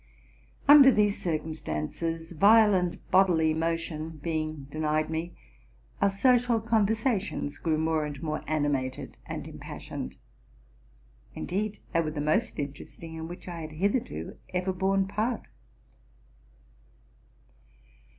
Under these circumstances, violent bodily motion being denied me, our social conversations grew more and more animated and impassioned ; indeed, they were the most interesting in which I had hitherto ever borne part.